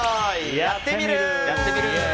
「やってみる。」。